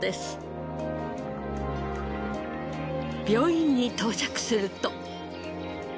病院に到着すると。